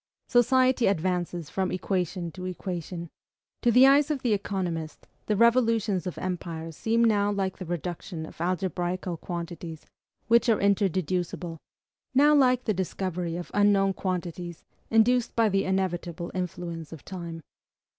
Society advances from equation to equation. To the eyes of the economist, the revolutions of empires seem now like the reduction of algebraical quantities, which are inter deducible; now like the discovery of unknown quantities, induced by the inevitable influence of time.